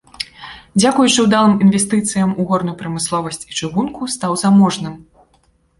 Дзякуючы ўдалым інвестыцыям у горную прамысловасць і чыгунку стаў заможным.